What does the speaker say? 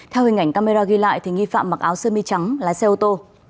theo hình ảnh camera ghi lại thì nghi phạm mặc áo sơ mi trắng lái xe ô tô